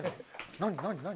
何？